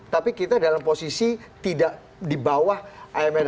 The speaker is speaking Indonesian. tapi kita dalam posisi tidak di bawah imf dan world bank